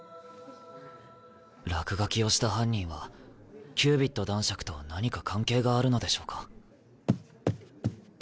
落書きをした犯人はキュービッド男爵と何か関係があるのでしょうか。